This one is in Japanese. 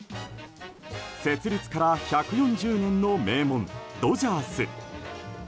設立から１４０年の名門ドジャース。